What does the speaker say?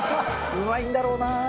うまいんだろうな。